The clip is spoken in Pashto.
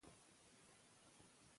د ماشوم د خوب مخکې ارام خبرې ګټورې دي.